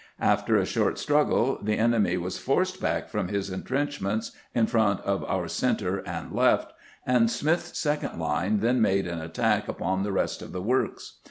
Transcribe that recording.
After a short strug gle the enemy was forced back from his intrenchments 202 CAMPAIGNING "WITH GEANT in front of our center and left, and Smitli's second line then made an attack upon the rest of the works.